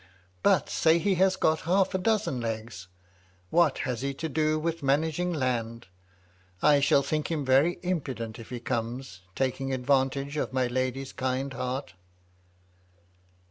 But say he has got half a dozen legs, what is he to do with managing land ? I shall think him very impudent if he comes, taking advantage of my lady's kind heart."